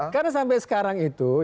karena sampai sekarang itu